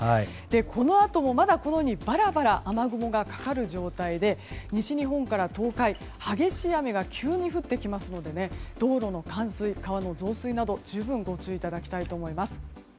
このあともまだバラバラと雨雲がかかる状態で西日本から東海激しい雨が急に降ってきますので道路の冠水、川の増水など十分ご注意いただきたいと思います。